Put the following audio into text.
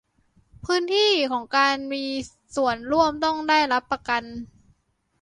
พื้นที่ของการมืส่วนร่วมต้องได้รับประกัน